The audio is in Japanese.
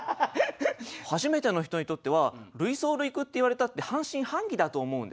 初めての人にとっては類想類句って言われたって半信半疑だと思うんですよね。